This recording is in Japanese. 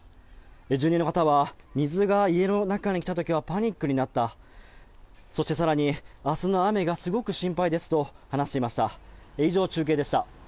住人の方は水が家の中に来たときはパニックになった、そして更に明日の雨がすごく心配ですと話していました。